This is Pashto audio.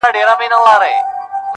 پر ملا کړوپ دی ستا له زور څخه خبر دی!